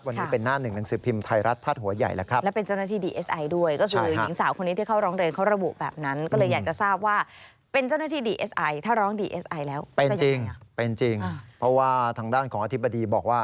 วันนี้เป็นหน้าหนึ่งหนังสือพิมพ์ไทยรัฐพระ